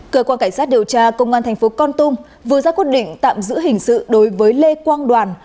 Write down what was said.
cơ quan cảnh sát điều tra công an tp con tung vừa ra quyết định tạm giữ hình sự đối với lê quang đoàn